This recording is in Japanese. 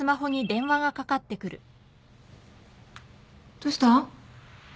どうした？